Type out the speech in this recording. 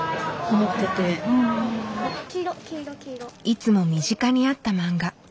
いつも身近にあったマンガ。